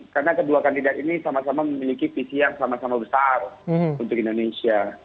karena kedua kandidat ini sama sama memiliki visi yang sama sama besar untuk indonesia